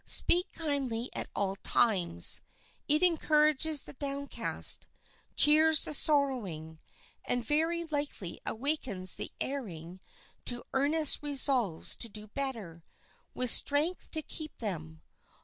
Speak kindly at all times; it encourages the downcast, cheers the sorrowing, and very likely awakens the erring to earnest resolves to do better, with strength to keep them.